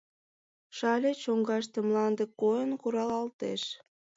Шале чоҥгаште мланде койын куралалтеш.